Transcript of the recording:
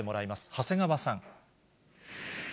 長谷川さん。